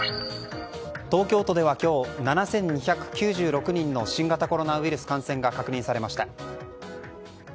東京都では今日、７２９６人の新型コロナウイルス感染が確認されました。